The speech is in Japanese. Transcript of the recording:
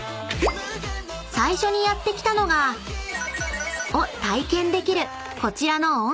［最初にやって来たのがを体験できるこちらの温泉］